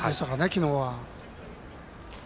昨日は。